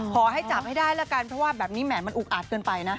ขอให้จับให้ได้แล้วกันเพราะว่าแบบนี้แหมมันอุกอาจเกินไปนะ